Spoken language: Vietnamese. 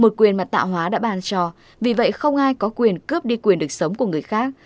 nên cho vì vậy không ai có quyền cướp đi quyền được sống của người khác